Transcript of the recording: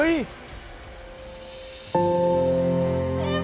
พี่เพียร์